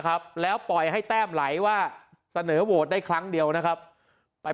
ครับแล้วปล่อยให้แต้มไหลว่าเสนอโหวตได้ครั้งเดียวนะครับไป